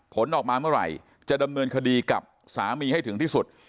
ผลออกมาเมื่อไหร่จะดำเนินคดีกับสามีให้ถึงที่สุด